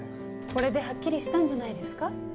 これではっきりしたんじゃないですか。